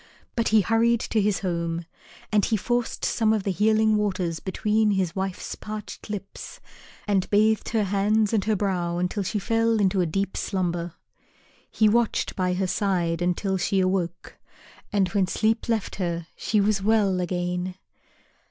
But he hurried to his home, and he forced some of the Healing Waters between his wife's parched lips, and bathed her hands and her brow until she fell into a deep slumber. He watched by her side until she awoke, and when sleep left her she was well again.